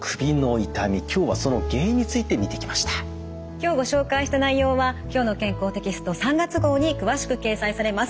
今日ご紹介した内容は「きょうの健康」テキスト３月号に詳しく掲載されます。